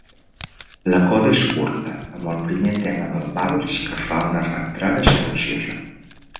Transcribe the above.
La coda és curta amb el primer tema del vals que fa una reentrada silenciosa.